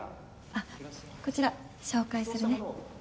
あっこちら紹介するね。